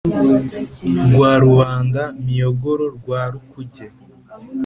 rwa rubanda-miyogoro rwa rukuge,